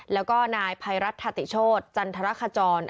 แล้วก็นายภัยรัฐติโชธจันทรคจร